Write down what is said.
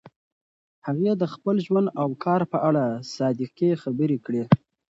هغې د خپل ژوند او کار په اړه صادقې خبرې کړي.